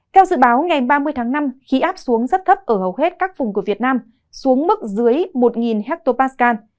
theo dự báo ngày ba mươi tháng năm khí áp xuống rất thấp ở hầu hết các vùng của việt nam xuống mức dưới một hectopascal